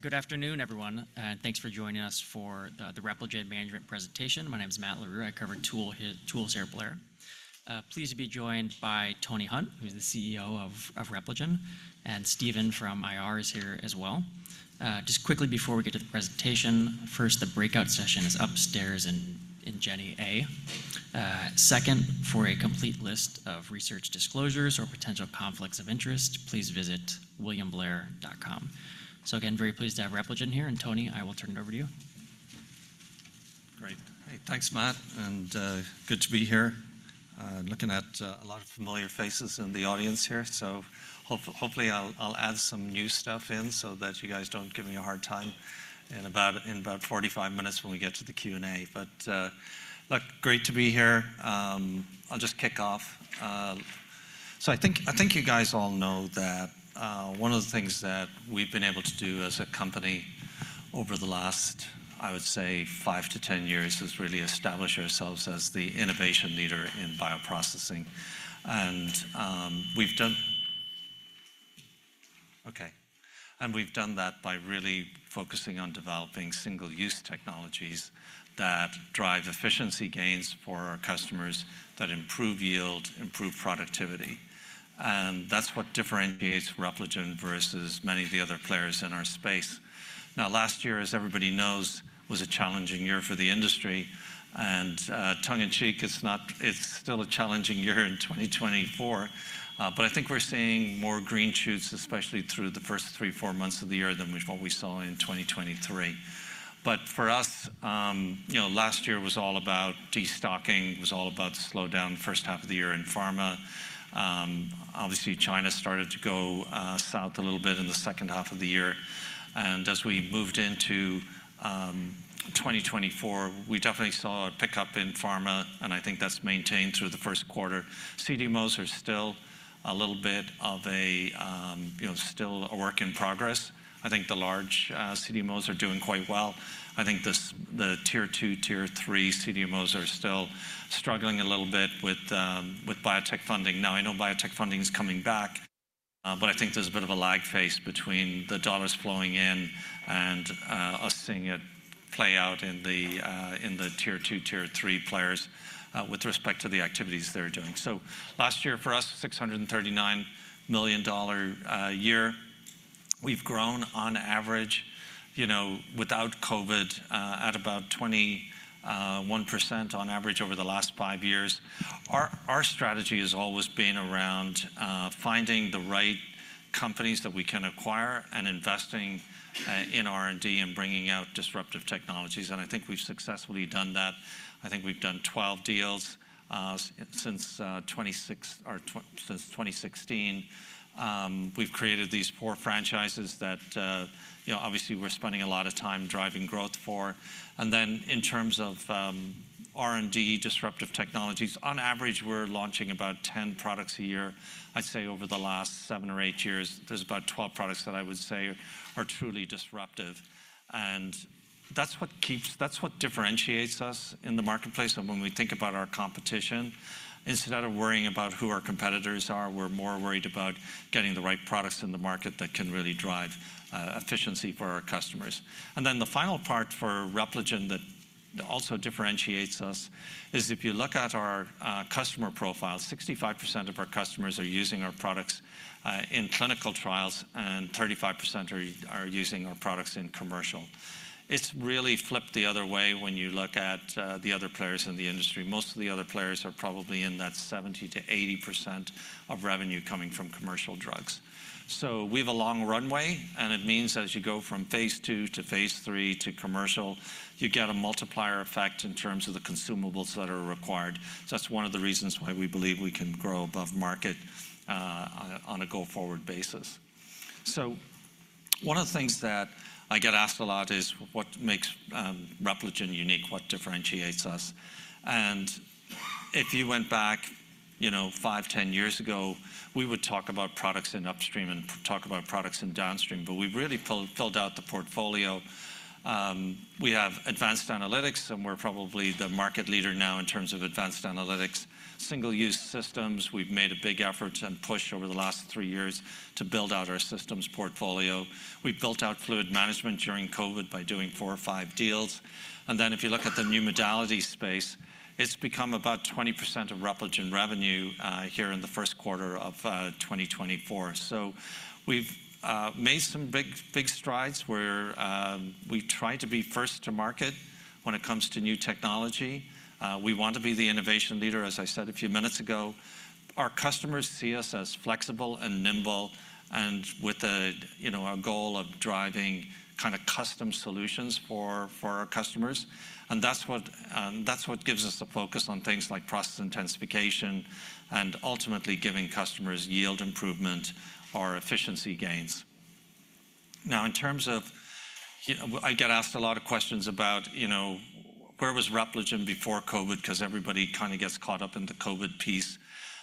Good afternoon, everyone, and thanks for joining us for the Repligen management presentation. My name is Matt Larew. I cover tools here at Blair. Pleased to be joined by Tony Hunt, who's the CEO of Repligen, and Steven from IR is here as well. Just quickly before we get to the presentation, first, the breakout session is upstairs in Jenny A. Second, for a complete list of research disclosures or potential conflicts of interest, please visit williamblair.com. So again, very pleased to have Repligen here, and Tony, I will turn it over to you. Great. Hey, thanks, Matt, and good to be here. Looking at a lot of familiar faces in the audience here, so hopefully I'll add some new stuff in so that you guys don't give me a hard time in about 45 minutes when we get to the Q&A. But look, great to be here. I'll just kick off. So I think you guys all know that one of the things that we've been able to do as a company over the last, I would say, 5-10 years, is really establish ourselves as the innovation leader in bioprocessing. And we've done that by really focusing on developing single-use technologies that drive efficiency gains for our customers, that improve yield, improve productivity. That's what differentiates Repligen versus many of the other players in our space. Now, last year, as everybody knows, was a challenging year for the industry, and, tongue in cheek, it's still a challenging year in 2024. But I think we're seeing more green shoots, especially through the first three, four months of the year, than what we saw in 2023. But for us, you know, last year was all about destocking. It was all about the slowdown the first half of the year in pharma. Obviously, China started to go south a little bit in the second half of the year. And as we moved into 2024, we definitely saw a pickup in pharma, and I think that's maintained through the first quarter. CDMOs are still a little bit of a, you know, still a work in progress. I think the large CDMOs are doing quite well. I think the Tier 2, Tier 3 CDMOs are still struggling a little bit with biotech funding. Now, I know biotech funding is coming back, but I think there's a bit of a lag phase between the dollars flowing in and us seeing it play out in the Tier 2, Tier 3 players with respect to the activities they're doing. So last year for us, $639 million year. We've grown on average, you know, without COVID, at about 21% on average over the last five years. Our strategy has always been around finding the right companies that we can acquire and investing in R&D and bringing out disruptive technologies, and I think we've successfully done that. I think we've done 12 deals since 2016. We've created these four franchises that, you know, obviously we're spending a lot of time driving growth for. And then in terms of R&D, disruptive technologies, on average, we're launching about 10 products a year. I'd say over the last seven or eight years, there's about 12 products that I would say are truly disruptive. And that's what differentiates us in the marketplace. And when we think about our competition, instead of worrying about who our competitors are, we're more worried about getting the right products in the market that can really drive efficiency for our customers. And then the final part for Repligen that also differentiates us is, if you look at our customer profile, 65% of our customers are using our products in clinical trials, and 35% are using our products in commercial. It's really flipped the other way when you look at the other players in the industry. Most of the other players are probably in that 70%-80% of revenue coming from commercial drugs. So we have a long runway, and it means that as you go from Phase II to Phase III to commercial, you get a multiplier effect in terms of the consumables that are required. So that's one of the reasons why we believe we can grow above market on a go-forward basis. So one of the things that I get asked a lot is, "What makes Repligen unique? What differentiates us?" And if you went back, you know, five, 10 years ago, we would talk about products in upstream and talk about products in downstream, but we've really filled out the portfolio. We have advanced analytics, and we're probably the market leader now in terms of advanced analytics. Single-use systems, we've made a big effort and push over the last three years to build out our systems portfolio. We've built out fluid management during COVID by doing four or five deals. And then if you look at the new modality space, it's become about 20% of Repligen revenue here in the first quarter of 2024. So we've made some big, big strides where we try to be first to market when it comes to new technology. We want to be the innovation leader, as I said a few minutes ago. Our customers see us as flexible and nimble, and with a, you know, a goal of driving kinda custom solutions for, for our customers. And that's what, that's what gives us the focus on things like process intensification and ultimately giving customers yield improvement or efficiency gains. Now, in terms of, you know, I get asked a lot of questions about, you know, "Where was Repligen before COVID?" Because everybody kind of gets caught up in the COVID piece.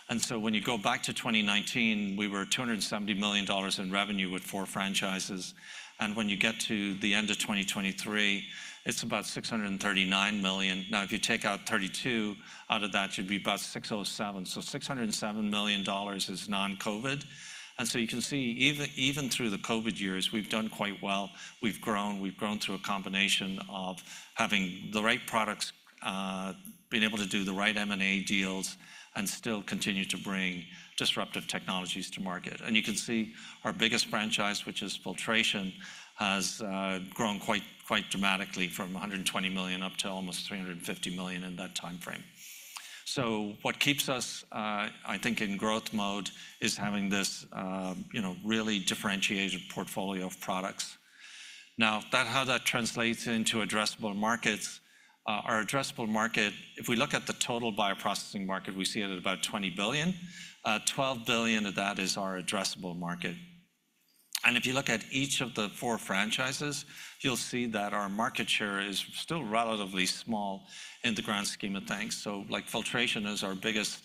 And so when you go back to 2019, we were $270 million in revenue with four franchises. And when you get to the end of 2023, it's about $639 million. Now, if you take out $32 out of that, should be about 607. So $607 million is non-COVID.... You can see, even through the COVID years, we've done quite well. We've grown. We've grown through a combination of having the right products, being able to do the right M&A deals, and still continue to bring disruptive technologies to market. You can see our biggest franchise, which is filtration, has grown quite, quite dramatically from $120 million up to almost $350 million in that timeframe. What keeps us, I think in growth mode is having this, you know, really differentiated portfolio of products. Now, that, how that translates into addressable markets, our addressable market, if we look at the total bioprocessing market, we see it at about $20 billion. Twelve billion of that is our addressable market. If you look at each of the four franchises, you'll see that our market share is still relatively small in the grand scheme of things. So, like, Filtration is our biggest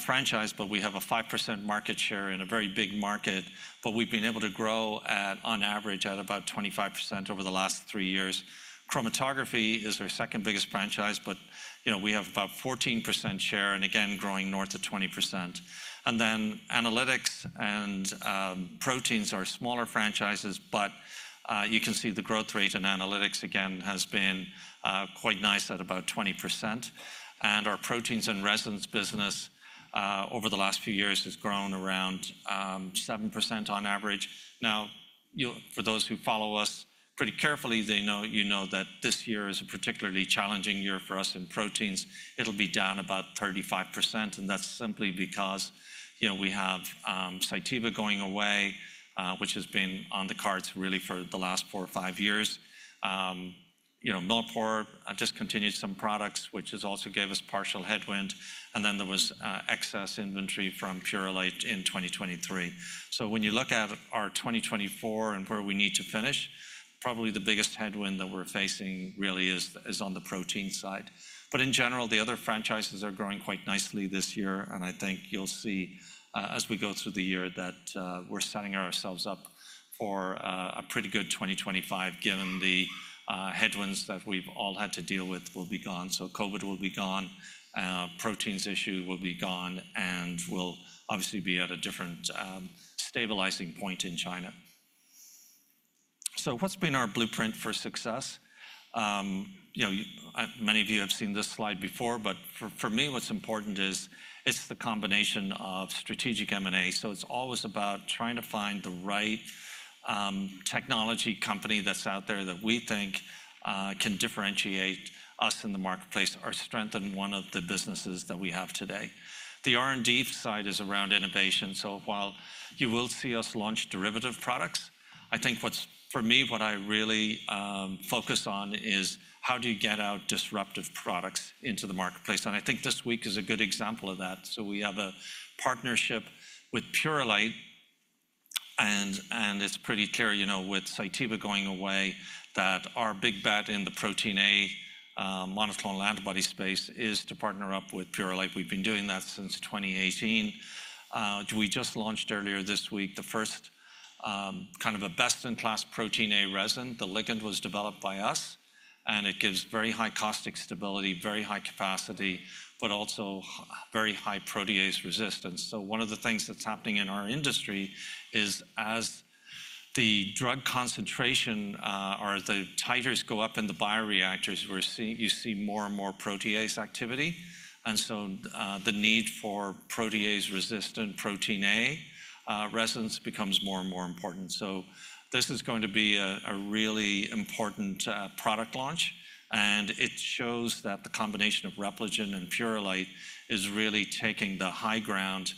franchise, but we have a 5% market share in a very big market, but we've been able to grow at, on average, at about 25% over the last three years. Chromatography is our second biggest franchise, but, you know, we have about 14% share, and again, growing north of 20%. And then Analytics and Proteins are smaller franchises, but you can see the growth rate in Analytics, again, has been quite nice at about 20%. And our Proteins and resins business, over the last few years has grown around 7% on average. Now, for those who follow us pretty carefully, they know, you know that this year is a particularly challenging year for us in proteins. It'll be down about 35%, and that's simply because, you know, we have Cytiva going away, which has been on the cards really for the last four or five years. You know, Millipore have discontinued some products, which has also gave us partial headwind, and then there was excess inventory from Purolite in 2023. So when you look at our 2024 and where we need to finish, probably the biggest headwind that we're facing really is on the protein side. But in general, the other franchises are growing quite nicely this year, and I think you'll see, as we go through the year, that we're setting ourselves up for a pretty good 2025, given the headwinds that we've all had to deal with will be gone. So COVID will be gone, proteins issue will be gone, and we'll obviously be at a different stabilizing point in China. So what's been our blueprint for success? You know, many of you have seen this slide before, but for me, what's important is it's the combination of strategic M&A. So it's always about trying to find the right technology company that's out there that we think can differentiate us in the marketplace or strengthen one of the businesses that we have today. The R&D side is around innovation, so while you will see us launch derivative products, I think what's for me, what I really focus on is: how do you get out disruptive products into the marketplace? And I think this week is a good example of that. So we have a partnership with Purolite, and it's pretty clear, you know, with Cytiva going away, that our big bet in the protein A monoclonal antibody space is to partner up with Purolite. We've been doing that since 2018. We just launched earlier this week, the first kind of a best-in-class Protein A resin. The ligand was developed by us, and it gives very high caustic stability, very high capacity, but also very high protease resistance. So one of the things that's happening in our industry is, as the drug concentration, or the titers go up in the bioreactors, we're seeing you see more and more protease activity, and so, the need for protease-resistant protein A resins becomes more and more important. So this is going to be a really important product launch, and it shows that the combination of Repligen and Purolite is really taking the high ground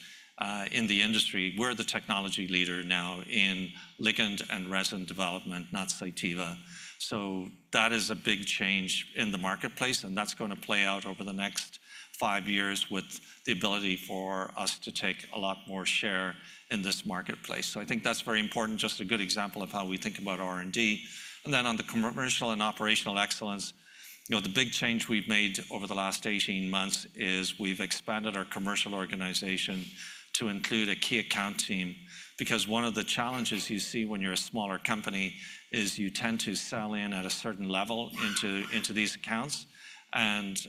in the industry. We're the technology leader now in ligand and resin development, not Cytiva. So that is a big change in the marketplace, and that's going to play out over the next five years with the ability for us to take a lot more share in this marketplace. So I think that's very important, just a good example of how we think about R&D. And then on the commercial and operational excellence, you know, the big change we've made over the last 18 months is we've expanded our commercial organization to include a key account team. Because one of the challenges you see when you're a smaller company is you tend to sell in at a certain level into, into these accounts, and,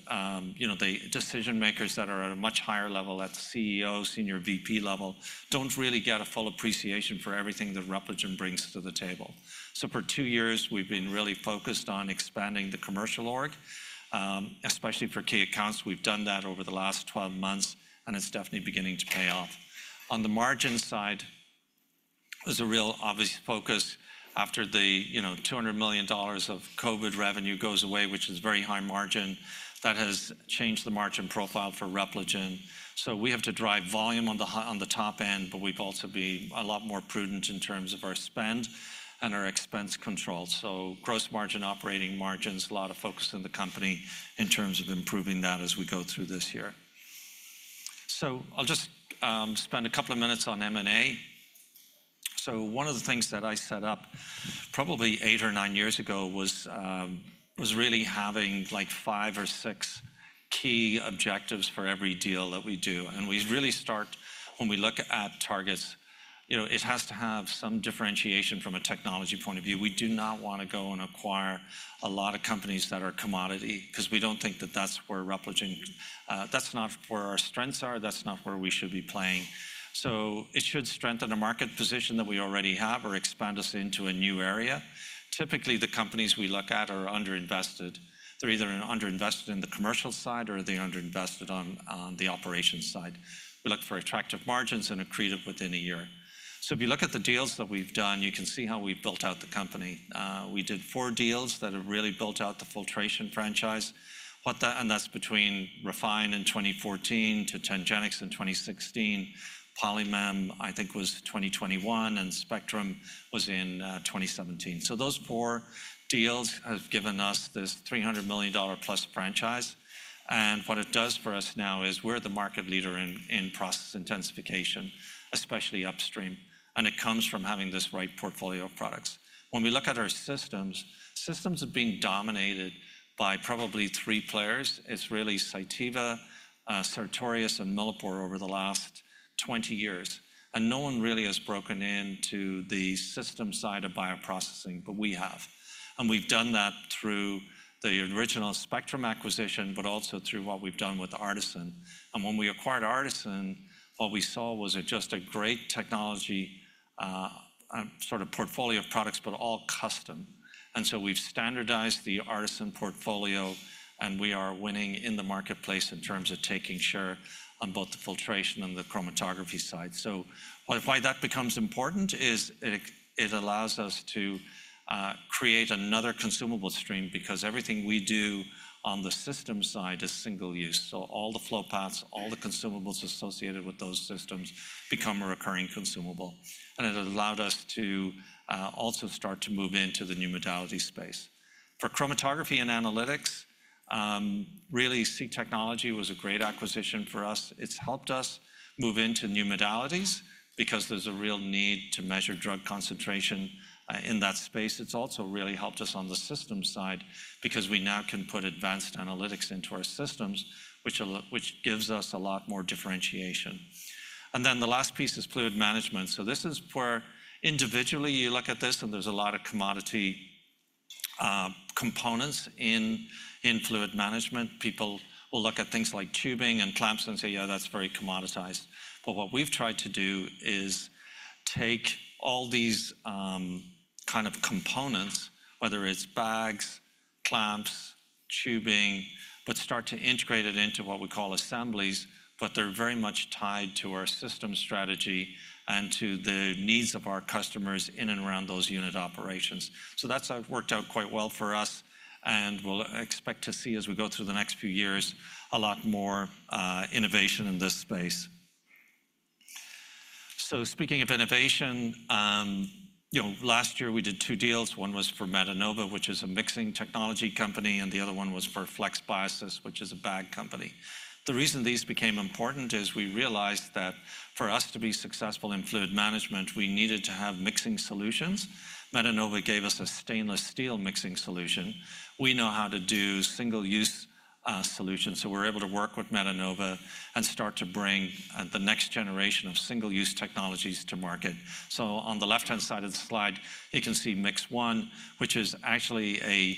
you know, the decision-makers that are at a much higher level, at the CEO, Senior VP level, don't really get a full appreciation for everything that Repligen brings to the table. So for two years, we've been really focused on expanding the commercial org, especially for key accounts. We've done that over the last 12 months, and it's definitely beginning to pay off. On the margin side, there's a real obvious focus after the, you know, $200 million of COVID revenue goes away, which is very high margin. That has changed the margin profile for Repligen. So we have to drive volume on the top end, but we've also been a lot more prudent in terms of our spend and our expense control. So gross margin, operating margins, a lot of focus in the company in terms of improving that as we go through this year. So I'll just spend a couple of minutes on M&A. So one of the things that I set up probably eight or nine years ago was really having, like, five or six key objectives for every deal that we do. We really start when we look at targets, you know, it has to have some differentiation from a technology point of view. We do not want to go and acquire a lot of companies that are commodity because we don't think that that's where Repligen, that's not where our strengths are, that's not where we should be playing. It should strengthen a market position that we already have or expand us into a new area. Typically, the companies we look at are underinvested. They're either underinvested in the commercial side or they're underinvested on the operations side. We look for attractive margins and accretive within a year. If you look at the deals that we've done, you can see how we've built out the company. We did four deals that have really built out the filtration franchise. What that... And that's between Refine in 2014 to TangenX in 2016. Polymem, I think, was 2021, and Spectrum was in 2017. So those four deals have given us this $300 million-plus franchise, and what it does for us now is we're the market leader in process intensification, especially upstream, and it comes from having this right portfolio of products. When we look at our systems, systems have been dominated by probably three players. It's really Cytiva, Sartorius, and Millipore over the last 20 years, and no one really has broken into the systems side of bioprocessing, but we have. And we've done that through the original Spectrum acquisition, but also through what we've done with ARTeSYN. And when we acquired ARTeSYN, what we saw was a just a great technology, sort of portfolio of products, but all custom. And so we've standardized the ARTeSYN portfolio, and we are winning in the marketplace in terms of taking share on both the filtration and the chromatography side. So why that becomes important is it allows us to create another consumable stream because everything we do on the systems side is single-use. So all the flow paths, all the consumables associated with those systems become a recurring consumable, and it allowed us to also start to move into the new modality space. For chromatography and analytics, really, C Technologies was a great acquisition for us. It's helped us move into new modalities because there's a real need to measure drug concentration in that space. It's also really helped us on the systems side because we now can put advanced analytics into our systems, which gives us a lot more differentiation. And then the last piece is fluid management. So this is where individually you look at this, and there's a lot of commodity components in fluid management. People will look at things like tubing and clamps and say, "Yeah, that's very commoditized." But what we've tried to do is take all these kind of components, whether it's bags, clamps, tubing, but start to integrate it into what we call assemblies, but they're very much tied to our systems strategy and to the needs of our customers in and around those unit operations. So that's worked out quite well for us, and we'll expect to see, as we go through the next few years, a lot more innovation in this space. So speaking of innovation, you know, last year we did two deals. One was for Metenova, which is a mixing technology company, and the other one was for FlexBiosys, which is a bag company. The reason these became important is we realized that for us to be successful in fluid management, we needed to have mixing solutions. Metenova gave us a stainless steel mixing solution. We know how to do single-use solutions, so we're able to work with Metenova and start to bring the next generation of single-use technologies to market. So on the left-hand side of the slide, you can see MixOne, which is actually a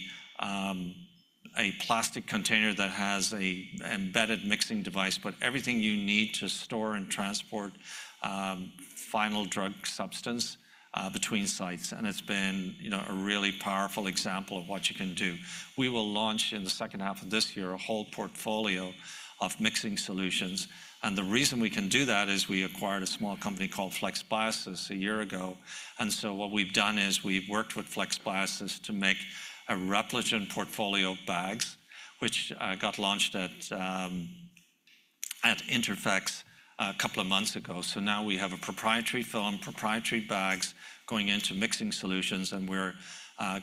plastic container that has a embedded mixing device, but everything you need to store and transport final drug substance between sites. It's been, you know, a really powerful example of what you can do. We will launch in the second half of this year, a whole portfolio of mixing solutions, and the reason we can do that is we acquired a small company called FlexBiosys a year ago. And so what we've done is we've worked with FlexBiosys to make a Repligen portfolio of bags, which got launched at INTERPHEX a couple of months ago. So now we have a proprietary film, proprietary bags, going into mixing solutions, and we're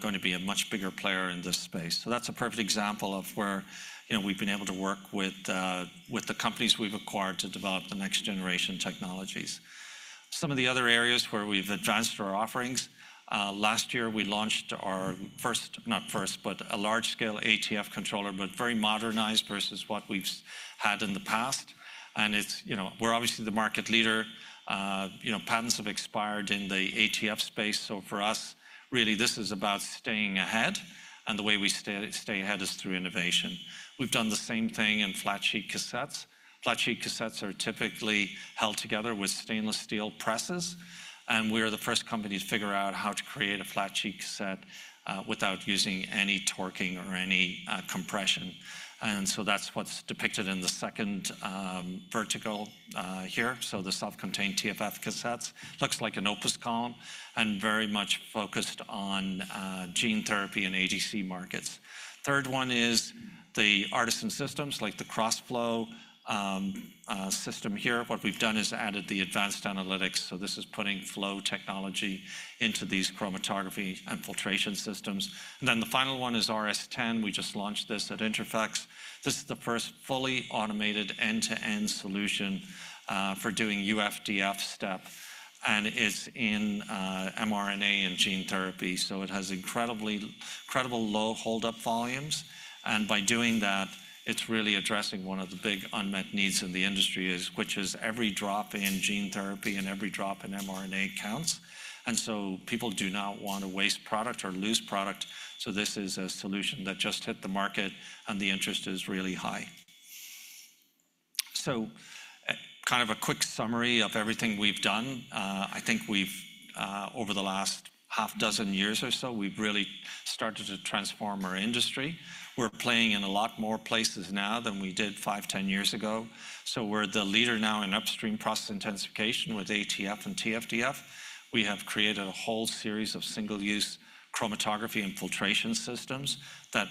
going to be a much bigger player in this space. So that's a perfect example of where, you know, we've been able to work with the companies we've acquired to develop the next-generation technologies. Some of the other areas where we've advanced our offerings last year, we launched our first, not first, but a large-scale ATF controller, but very modernized versus what we've had in the past. And it's, you know, we're obviously the market leader. You know, patents have expired in the ATF space, so for us, really, this is about staying ahead, and the way we stay, stay ahead is through innovation. We've done the same thing in flat-sheet cassettes. Flat-sheet cassettes are typically held together with stainless steel presses, and we're the first company to figure out how to create a flat-sheet cassette, without using any torquing or any, compression. And so that's what's depicted in the second, vertical, here. So the self-contained TFF cassettes. Looks like an OPUS column and very much focused on, gene therapy and ADC markets. Third one is the ARTeSYN systems, like the KrosFlo, system here. What we've done is added the advanced analytics, so this is putting flow technology into these chromatography and filtration systems. And then the final one is RS10. We just launched this at INTERPHEX. This is the first fully automated end-to-end solution for doing UF/DF step and is in mRNA and gene therapy. So it has incredibly, incredible low holdup volumes, and by doing that, it's really addressing one of the big unmet needs in the industry is, which is every drop in gene therapy and every drop in mRNA counts. And so people do not want to waste product or lose product, so this is a solution that just hit the market, and the interest is really high. So, kind of a quick summary of everything we've done. I think we've over the last half dozen years or so, we've really started to transform our industry. We're playing in a lot more places now than we did five, 10 years ago. So we're the leader now in upstream process intensification with ATF and TFDF. We have created a whole series of single-use chromatography and filtration systems that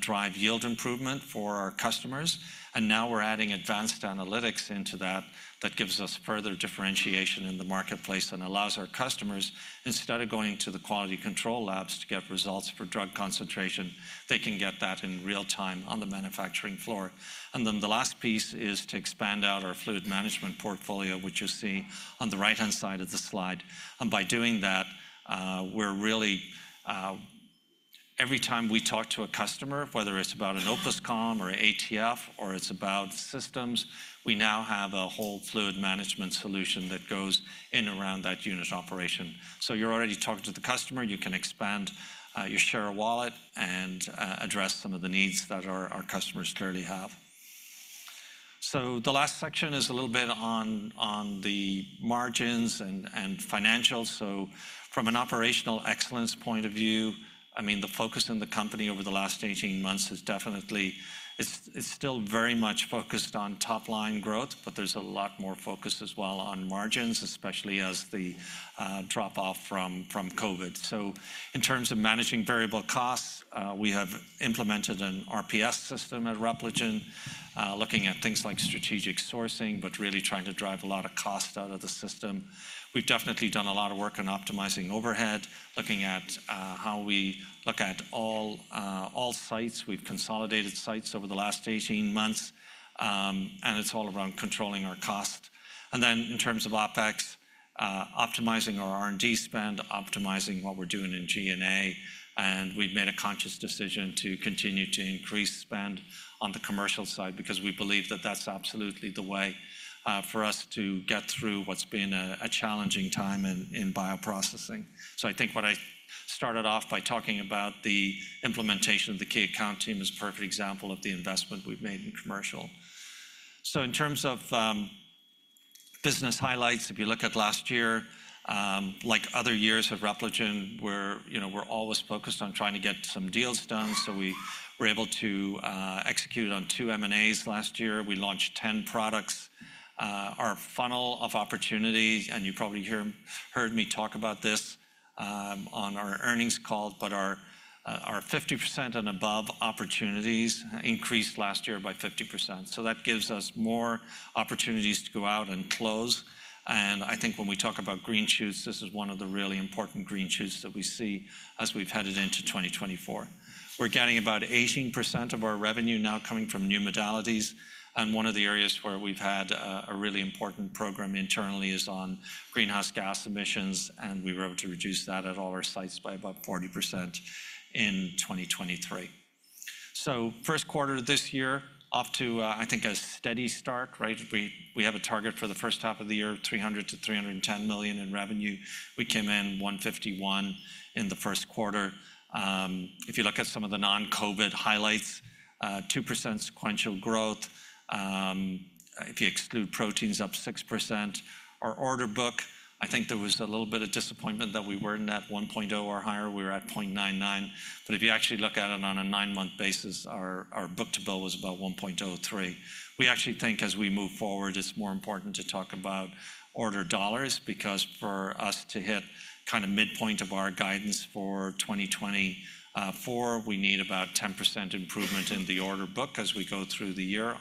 drive yield improvement for our customers, and now we're adding advanced analytics into that. That gives us further differentiation in the marketplace and allows our customers, instead of going to the quality control labs to get results for drug concentration, they can get that in real-time on the manufacturing floor. And then the last piece is to expand out our fluid management portfolio, which you see on the right-hand side of the slide. And by doing that, we're really... Every time we talk to a customer, whether it's about an OPUS or ATF, or it's about systems, we now have a whole fluid management solution that goes in around that unit operation. So you're already talking to the customer. You can expand your share of wallet and address some of the needs that our customers clearly have. So the last section is a little bit on the margins and financials. So from an operational excellence point of view, I mean, the focus in the company over the last 18 months is definitely, it's still very much focused on top line growth, but there's a lot more focus as well on margins, especially as the drop off from COVID. So in terms of managing variable costs, we have implemented an RPS system at Repligen, looking at things like strategic sourcing, but really trying to drive a lot of cost out of the system. We've definitely done a lot of work on optimizing overhead, looking at how we look at all sites. We've consolidated sites over the last 18 months, and it's all around controlling our cost. And then in terms of OpEx, optimizing our R&D spend, optimizing what we're doing in G&A, and we've made a conscious decision to continue to increase spend on the commercial side because we believe that that's absolutely the way for us to get through what's been a challenging time in bioprocessing. So I think what I started off by talking about the implementation of the key account team is a perfect example of the investment we've made in commercial. So in terms of business highlights, if you look at last year, like other years of Repligen, we're, you know, we're always focused on trying to get some deals done, so we were able to execute on two M&As last year. We launched 10 products. Our funnel of opportunities, and you probably heard me talk about this on our earnings call, but our 50% and above opportunities increased last year by 50%. So that gives us more opportunities to go out and close, and I think when we talk about green shoots, this is one of the really important green shoots that we see as we've headed into 2024. We're getting about 18% of our revenue now coming from new modalities, and one of the areas where we've had a really important program internally is on greenhouse gas emissions, and we were able to reduce that at all our sites by about 40% in 2023. So first quarter this year, off to I think a steady start, right? We have a target for the first half of the year, $300 million-$310 million in revenue. We came in $151 million in the first quarter. If you look at some of the non-COVID highlights, 2% sequential growth. If you exclude proteins, up 6%. Our order book, I think there was a little bit of disappointment that we weren't at 1.0 or higher. We were at 0.99. But if you actually look at it on a nine-month basis, our book-to-bill was about 1.03. We actually think as we move forward, it's more important to talk about order dollars, because for us to hit kind of midpoint of our guidance for 2024, we need about 10% improvement in the order book as we go through the year,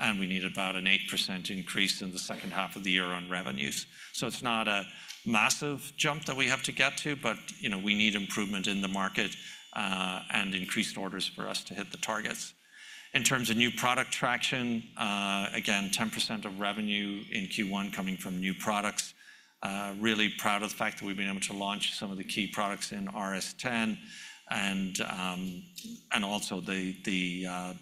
and we need about an 8% increase in the second half of the year on revenues. So it's not a massive jump that we have to get to, but you know, we need improvement in the market, and increased orders for us to hit the targets. In terms of new product traction, again, 10% of revenue in Q1 coming from new products. Really proud of the fact that we've been able to launch some of the key products in RS10 and also the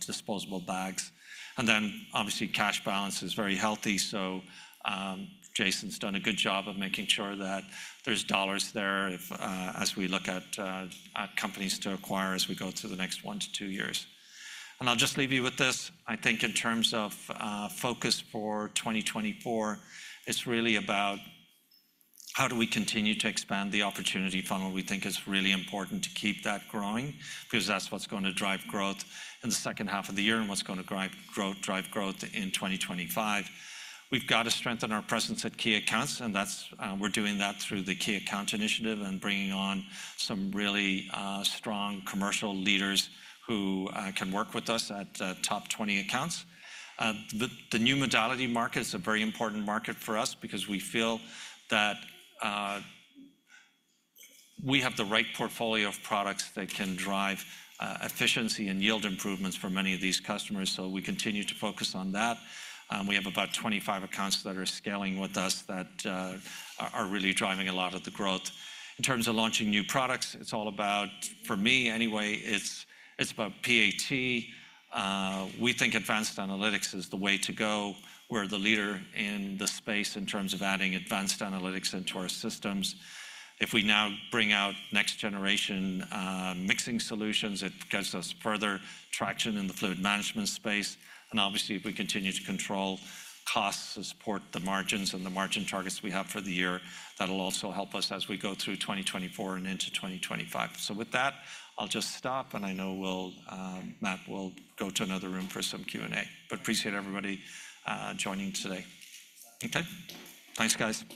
disposable bags. And then, obviously, cash balance is very healthy, so Jason's done a good job of making sure that there's dollars there, if as we look at companies to acquire as we go through the next one to two years. And I'll just leave you with this. I think in terms of focus for 2024, it's really about how do we continue to expand the opportunity funnel? We think it's really important to keep that growing because that's what's going to drive growth in the second half of the year and what's going to drive growth in 2025. We've got to strengthen our presence at key accounts, and that's, we're doing that through the key account initiative and bringing on some really strong commercial leaders who can work with us at top 20 accounts. The new modality market is a very important market for us because we feel that we have the right portfolio of products that can drive efficiency and yield improvements for many of these customers, so we continue to focus on that. We have about 25 accounts that are scaling with us that are really driving a lot of the growth. In terms of launching new products, it's all about, for me anyway, it's about PAT. We think advanced analytics is the way to go. We're the leader in the space in terms of adding advanced analytics into our systems. If we now bring out next generation mixing solutions, it gets us further traction in the fluid management space. And obviously, if we continue to control costs to support the margins and the margin targets we have for the year, that'll also help us as we go through 2024 and into 2025. So with that, I'll just stop, and I know we'll, Matt, we'll go to another room for some Q&A, but appreciate everybody joining today. Okay? Thanks, guys.